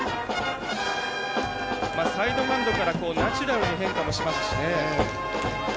サイドからナチュラルに変化もしますしね。